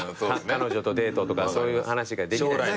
彼女とデートとかそういう話ができない。